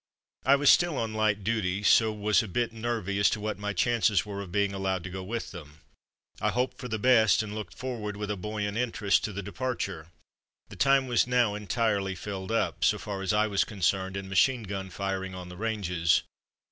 I was still on ''light duty/' so was a bit nervy as to what my chances were of being allowed to go with them. I hoped for the best, and looked forward with a buoyant interest to the departure. The time was now entirely filled up, so far as I was con 68 The Final Polish 69 cerned, in machine gun firing on the ranges.